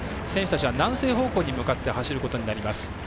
選手たちは南西方向に向かって走ることになります。